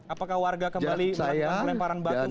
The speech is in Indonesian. apakah warga kembali melemparan batu fano